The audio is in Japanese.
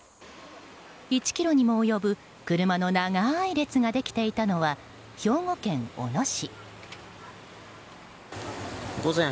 １ｋｍにも及ぶ車の長い列ができていたのは兵庫県小野市。